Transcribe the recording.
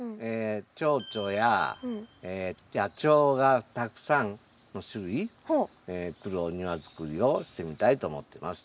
チョウチョや野鳥がたくさんの種類来るお庭作りをしてみたいと思ってます。